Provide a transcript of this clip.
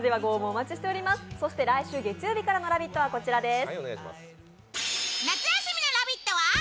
来週月曜日からの「ラヴィット！」はこちらです。